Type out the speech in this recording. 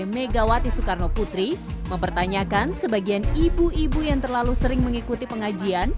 megawati soekarno putri mempertanyakan sebagian ibu ibu yang terlalu sering mengikuti pengajian